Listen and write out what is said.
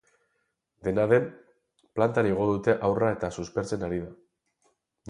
Dena den, plantara igo dute haurra eta suspertzen ari da.